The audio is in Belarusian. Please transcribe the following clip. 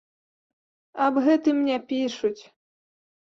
Аб гэтым не пішуць.